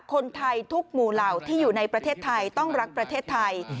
คนไทยทุกหมู่เหล่าที่อยู่ในประเทศไทย